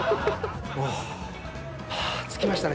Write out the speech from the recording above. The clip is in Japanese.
着きましたね。